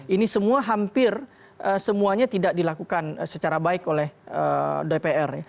ini semua hampir semuanya tidak dilakukan secara baik oleh dpr